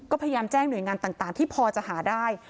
ก็พยายามแจ้งหน่วยงานต่างที่พอจะหาได้